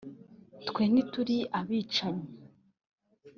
twe ntituli abicanyi